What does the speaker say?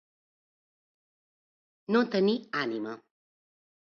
No tenir ànima.